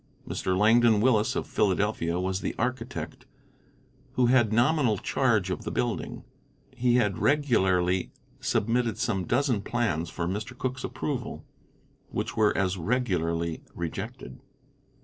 Mr. Langdon Willis, of Philadelphia, was the architect who had nominal charge of the building. He had regularly submitted some dozen plans for Mr. Cooke's approval, which were as regularly rejected.